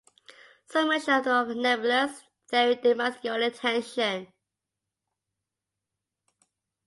Some mention of the nebulous theory demands your attention.